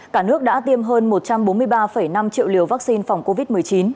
cả nước đã tiêm hơn một trăm bốn mươi ba năm triệu liều vaccine phòng covid một mươi chín